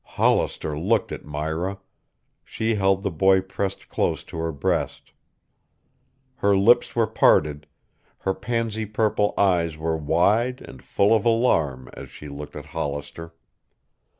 Hollister looked at Myra; she held the boy pressed close to her breast. Her lips were parted, her pansy purple eyes were wide and full of alarm as she looked at Hollister.